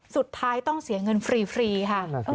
สุดท้ายต้องเสียเงินฟรีค่ะ